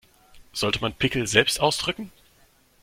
Sollte man Pickel selbst ausdrücken?